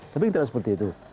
tapi tidak seperti itu